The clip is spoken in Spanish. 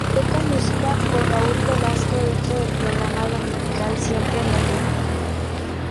Fue conducida por Raúl Velasco dentro del programa dominical Siempre en Domingo.